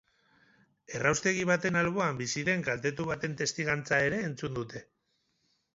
Erraustegi baten alboan bizi den kaltetu baten testigantza ere entzun dute.